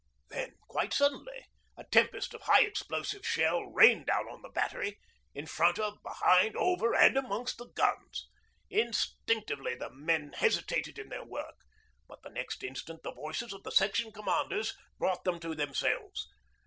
Then, quite suddenly, a tempest of high explosive shell rained down on the battery, in front of, behind, over, and amongst the guns. Instinctively the men hesitated in their work, but the next instant the voices of the Section Commanders brought them to themselves.